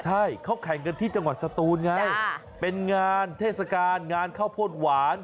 ใช่เขาแข่งกันที่จังหวัดสตูนไงเป็นงานเทศกาลงานข้าวโพดหวาน